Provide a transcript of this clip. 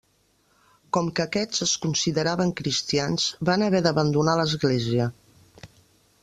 Com que aquests es consideraven cristians, van haver d'abandonar l'Església.